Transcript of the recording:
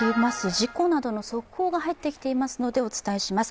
事故などの速報が入っていますのでお伝えします。